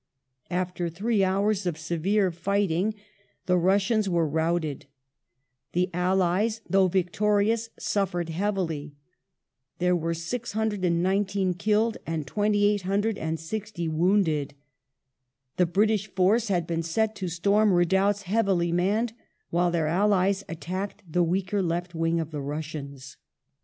After three hours of severe ^"^^ fighting the Russians were routed. The allies, though victorious, suffered heavily. There were 619 killed and 2,860 wounded. The British force had been set to storm redoubts heavily manned, while their allies attacked the weaker left wing of the Russians.